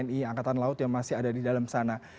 penyelamatan laut yang masih ada di dalam sana